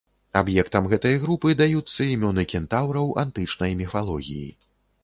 Аб'ектам гэтай групы даюцца імёны кентаўраў антычнай міфалогіі.